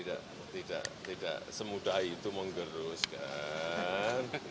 enggak apa apa kan juga tidak semudah itu mengerus kan